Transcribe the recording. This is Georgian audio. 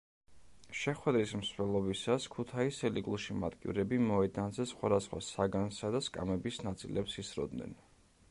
შეხვედრის მსვლელობისას ქუთაისელი გულშემატკივრები მოედანზე სხვადასხვა საგანსა და სკამების ნაწილებს ისროდნენ.